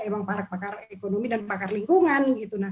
pakar pakar ekonomi dan lingkungan